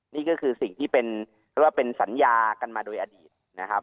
นี่ก็คือสิ่งที่เป็นสัญญากันมาโดยอดีต